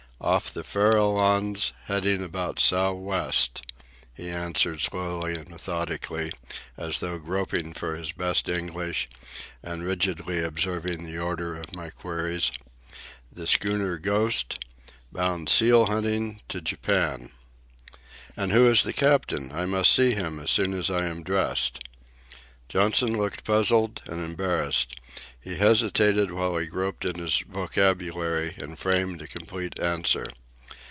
"Off the Farallones, heading about sou west," he answered, slowly and methodically, as though groping for his best English, and rigidly observing the order of my queries. "The schooner Ghost, bound seal hunting to Japan." "And who is the captain? I must see him as soon as I am dressed." Johnson looked puzzled and embarrassed. He hesitated while he groped in his vocabulary and framed a complete answer.